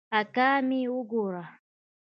اکا مې وګوره.